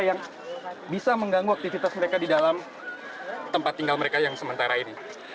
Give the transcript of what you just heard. yang bisa mengganggu aktivitas mereka di dalam tempat tinggal mereka yang sementara ini